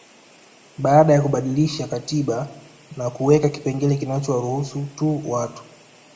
Baada ya kubadilisha katiba na kuweka kipengele kinachowaruhusu tu watu